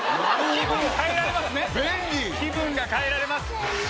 気分が変えられます。